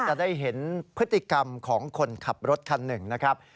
จะได้เห็นพฤติกรรมของคนขับรถคันหนึ่งนะครับ